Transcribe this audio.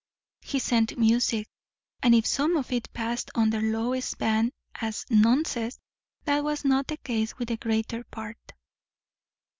He sent music; and if some of it passed under Lois's ban as "nonsense," that was not the case with the greater part.